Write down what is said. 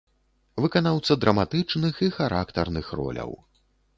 Выканаўца драматычных і характарных роляў.